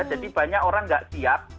jadi banyak orang nggak siap